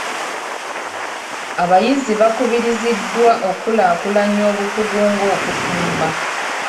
Abayizi bakubiriziddwa okulaakulanya obukugu nga okufumba.